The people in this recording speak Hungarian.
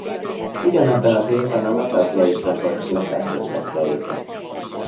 Ugyanebben az évben a Metal Blade Records leszerződtette őket.